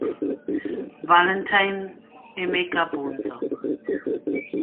Valentine Mk.